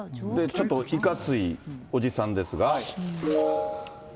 ちょっといかついおじさんですが。